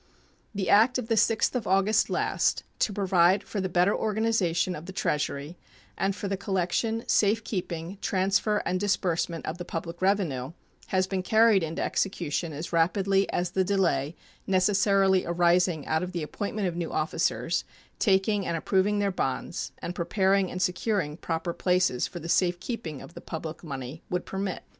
The act of the 6th of August last, "to provide for the better organization of the Treasury and for the collection, safe keeping, transfer, and disbursement of the public revenue," has been carried into execution as rapidly as the delay necessarily arising out of the appointment of new officers, taking and approving their bonds, and preparing and securing proper places for the safe keeping of the public money would permit.